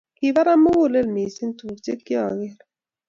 Kibara mugulel missing tuguuk chekioker.